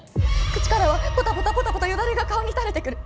口からはポタポタポタポタよだれが顔にたれてくる。